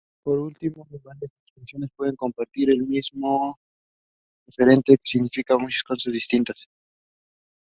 Por último, varias expresiones pueden compartir el mismo referente pero significar cosas muy distintas.